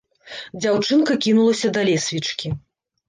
Дзяўчынка кінулася да лесвічкі.